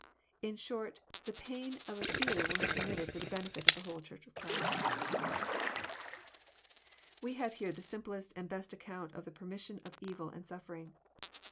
In short the pain of a few was permitted for the beneUt of the whole Church of Christ. We have here the simplest and best account of the permission of evil and suffering.